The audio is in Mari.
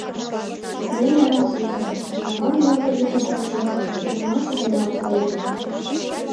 Лена раш ужо: аван лывырге туп-вачыже чытырналт-чытырналт кая.